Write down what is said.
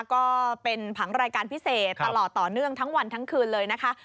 ก็เป็นผังรายการพิเศษตลอดต่อเนื่องทั้งวันทั้งคืนเลยนะคะ